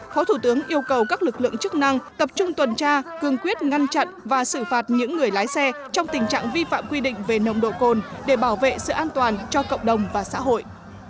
phó thủ tướng yêu cầu các lực lượng chức năng tập trung tuần tra cương quyết ngăn chặn và xử phạt những người lái xe trong tình trạng vi phạm quy định về nồng độ cồn để bảo vệ sự an toàn cho cộng đồng và xã hội